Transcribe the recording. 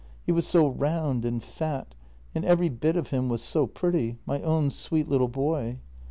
He was so round and fat, and every bit of him was so pretty — my own sweet little boy!